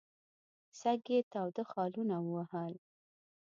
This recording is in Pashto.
سږ یې تاوده خالونه ووهل.